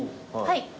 はい。